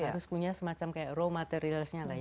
harus punya semacam kayak raw materialnya lah ya